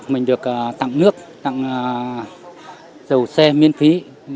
mình được tặng nước tặng dầu xe miễn phí